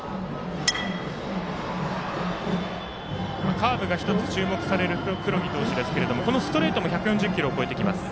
カーブが注目される黒木投手ですがこのストレートも１４０キロを超えてきます。